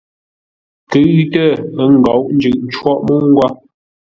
Kʉ́ʉtə́ ə ńgóʼo jʉʼ cwóʼ mə́u nghwó.